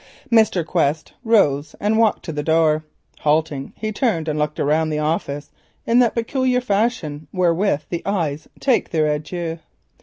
Mr. Quest rose and walked to the door. Halting there, he turned and looked round the office in that peculiar fashion wherewith the eyes take their adieu.